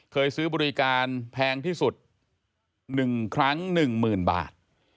ซื้อบริการแพงที่สุด๑ครั้ง๑๐๐๐บาท